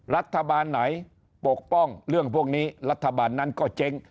รัฐบาลไหนปกป้องเรื่องพวกนี้รัฐบาลนั้นก็เจ๊ง